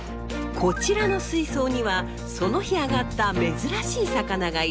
こちらの水槽にはその日あがった珍しい魚が入れられます。